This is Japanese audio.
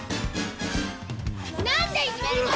何でいじめるの！